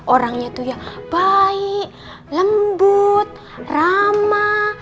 orangnya itu yang baik lembut ramah